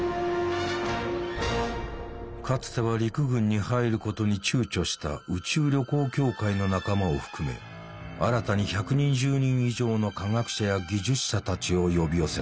かつては陸軍に入ることに躊躇した宇宙旅行協会の仲間を含め新たに１２０人以上の科学者や技術者たちを呼び寄せた。